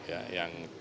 yang apa itu